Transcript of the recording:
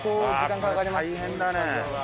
大変だね。